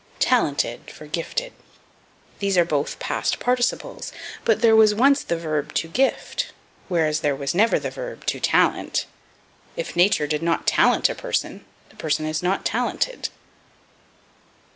Talented for Gifted. These are both past participles, but there was once the verb to gift, whereas there was never the verb "to talent." If Nature did not talent a person the person is not talented.